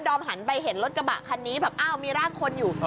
อมหันไปเห็นรถกระบะคันนี้แบบอ้าวมีร่างคนอยู่